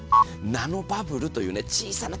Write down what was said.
ナノバブルという小さな